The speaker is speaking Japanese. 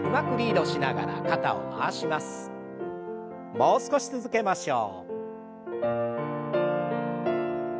もう少し続けましょう。